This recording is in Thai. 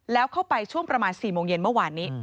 แล้วเข้าไปช่วงประมาณ๔โมงเย็นเมื่อวานนี้